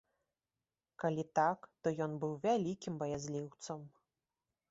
Калі так, то ён быў вялікім баязліўцам.